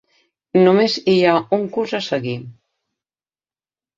Només hi ha un curs a seguir.